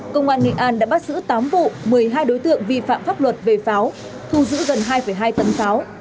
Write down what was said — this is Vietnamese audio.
công an nghệ an đã bắt giữ tám vụ một mươi hai đối tượng vi phạm pháp luật về pháo thu giữ gần hai hai tấn pháo